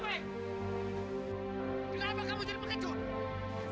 kenapa kamu jadi pengecut